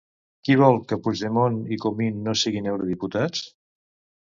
Qui vol que Puigdemont i Comín no siguin eurodiputats?